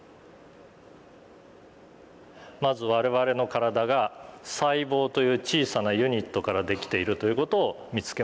まず我々の体が細胞という小さなユニットからできているという事を見つけました。